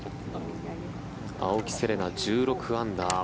青木瀬令奈、１６アンダー